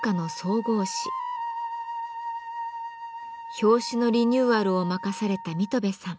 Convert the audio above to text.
表紙のリニューアルを任された水戸部さん。